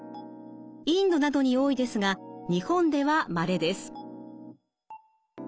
インドなどに多いですが日本ではまれです。